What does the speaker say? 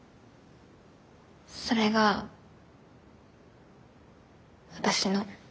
それが私の。